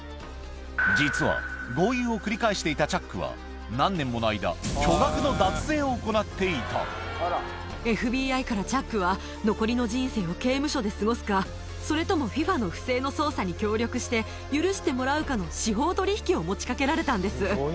実は、豪遊を繰り返していたチャックは、何年もの間、巨額の脱税を行ってＦＢＩからチャックは、残りの人生を刑務所で過ごすか、それともＦＩＦＡの不正の捜査に協力して、許してもらうかの司法取引を持ちかけられたんです。